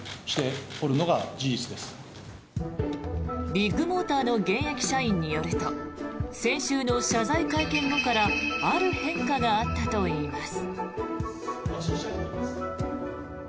ビッグモーターの現役社員によると先週の謝罪会見後からある変化があったといいます。